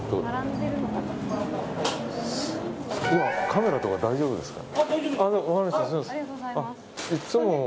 カメラとか大丈夫ですか。